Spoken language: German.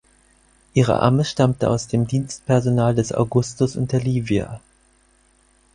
Ihre Amme stammte aus dem Dienstpersonal des Augustus und der Livia.